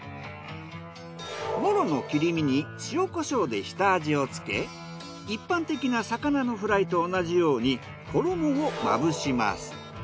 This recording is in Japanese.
モロの切り身に塩コショウで下味をつけ一般的な魚のフライと同じように衣をまぶします。